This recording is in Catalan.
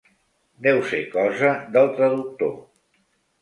Deu ser cosa del traductor.